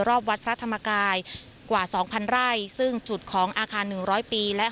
รอบวัดพระธรรมกายกว่าสองพันไร่ซึ่งจุดของอาคาร๑๐๐ปีและ